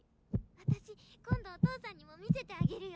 私今度お父さんにも見せてあげるよ。